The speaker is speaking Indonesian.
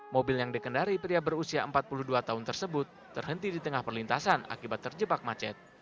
mobil yang dikendari pria berusia empat puluh dua tahun tersebut terhenti di tengah perlintasan akibat terjebak macet